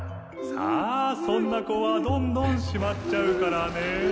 さあそんな子はどんどんしまっちゃうからね